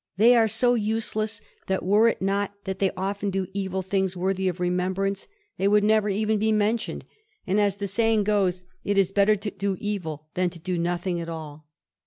They are so useless that, were it not that they often do evil things worthy of remembrance, they would never even be mentioned; and, as the saying goes, it is better to do evil than to do nothing at all.